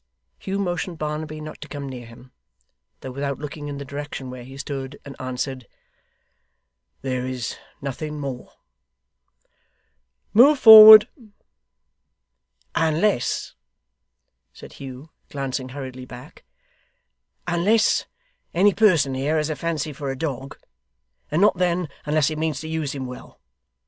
Hugh motioned Barnaby not to come near him (though without looking in the direction where he stood) and answered, 'There is nothing more.' 'Move forward!' ' Unless,' said Hugh, glancing hurriedly back, 'unless any person here has a fancy for a dog; and not then, unless he means to use him well.